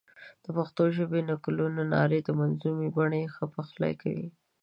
د پښتو ژبې د نکلونو نارې د منظومې بڼې ښه پخلی کوي.